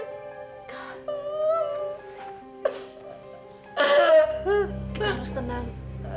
kita harus tenang